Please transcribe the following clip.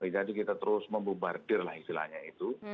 jadi kita terus membubardir lah istilahnya itu